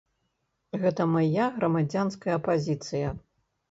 Гэта мая грамадзянская пазіцыя.